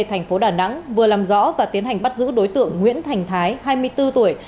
thành phố đà nẵng vừa làm rõ và tiến hành bắt giữ đối tượng nguyễn thành thái hai mươi bốn tuổi